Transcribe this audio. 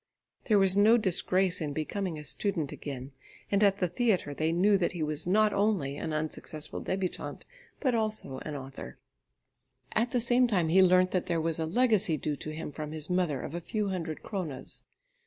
There was no disgrace in becoming a student again, and at the theatre they knew that he was not only an unsuccessful débutant, but also an author. At the same time he learnt that there was a legacy due to him from his mother of a few hundred kronas.